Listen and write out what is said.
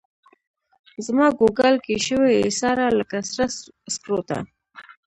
زماګوګل کي شوې ایساره لکه سره سکروټه